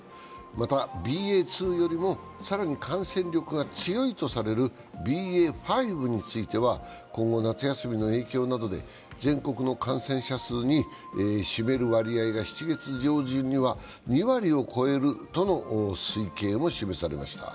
またＢＡ．２よりも更に感染力が強いとされるＢＡ．５については今後、夏休みの影響などで全国の感染者数に占める割合が７月上旬には２割を超えるとの推計も示されました。